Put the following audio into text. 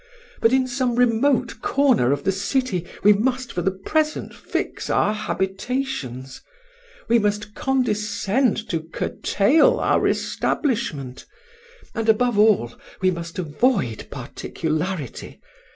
But in some remote corner of the city we must for the present fix our habitations: we must condescend to curtail our establishment; and, above all, we must avoid particularity.